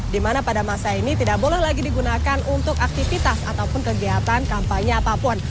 di mana pada masa ini tidak boleh lagi digunakan untuk aktivitas ataupun kegiatan kampanye apapun